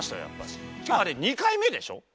しかもあれ２回目でしょ？